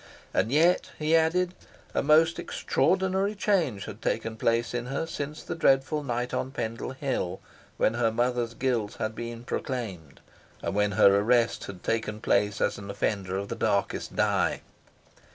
And yet, he added, a most extraordinary change had taken place in her since the dreadful night on Pendle Hill, when her mother's guilt had been proclaimed, and when her arrest had taken place as an offender of the darkest dye.